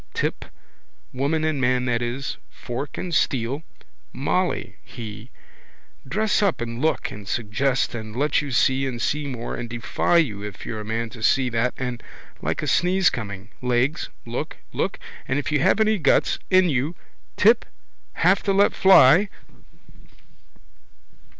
Tip. Woman and man that is. Fork and steel. Molly, he. Dress up and look and suggest and let you see and see more and defy you if you're a man to see that and, like a sneeze coming, legs, look, look and if you have any guts in you. Tip. Have to let fly.